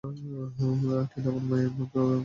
টিনা আমার মেয়ের মতো, আমি ওকে কন্যাদান করবো।